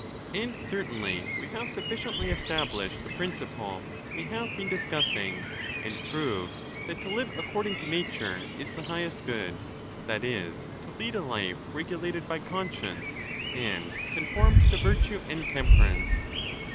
And certainly we have sufficiently established the principle we have been discussing, and proved that to live according to nature, is the highest good; that is, to lead a life regulated by conscience, and conformed to virtue and tem perance.